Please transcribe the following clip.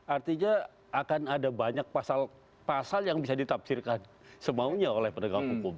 artinya akan ada banyak pasal yang bisa ditafsirkan semaunya oleh penegak hukum